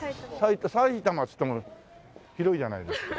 埼玉っつっても広いじゃない。